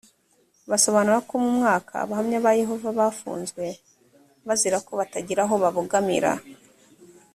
basobanura ko mu mwaka abahamya ba yehova bafunzwe bazira ko batagira aho babogamira